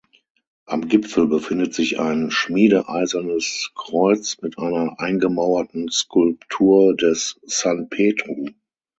Am Gipfel befindet sich ein schmiedeeisernes Kreuz mit einer eingemauerten Skulptur des San Petru.